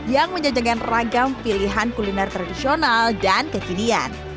yang menjajakan ragam pilihan kuliner tradisional dan kekinian